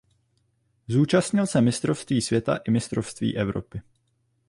Zúčastnil se mistrovství světa i mistrovství Evropy.